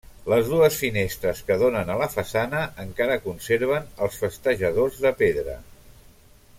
Les dues finestres que donen a la façana encara conserven els festejadors de pedra.